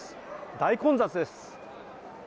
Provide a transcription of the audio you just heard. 大混雑です。